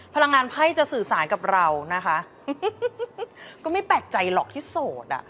พลังงานไพ่จะสื่อสารกับเรานะคะก็ไม่แปลกใจหรอกที่โสดอ่ะ